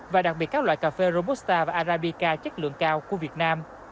và đặc biệt các loại cà phê robusta và arabica chất lượng cao của việt nam